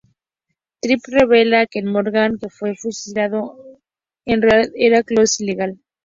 Tripp revela que el Morgan que fue fusilado en realidad era un clon ilegal.